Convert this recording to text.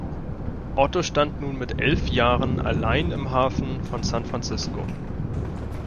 Otto stand nun mit elf Jahren allein im Hafen von San Francisco.